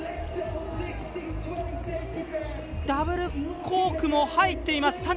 ダブルコークも入っています。